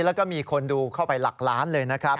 แล้วก็มีคนดูเข้าไปหลักล้านเลยนะครับ